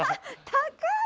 高い！